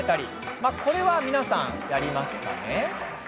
まあ、これは皆さんやりますかね。